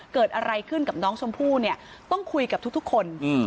เกิดอะไรขึ้นกับน้องชมพู่เนี่ยต้องคุยกับทุกคน